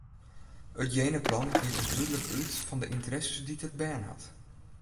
It jenaplan giet dus dúdlik út fan de ynteresses dy't it bern hat.